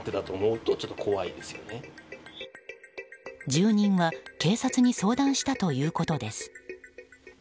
住人は警察に相談したということです。